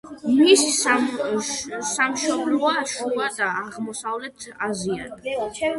მისი სამშობლოა შუა და აღმოსავლეთ აზია.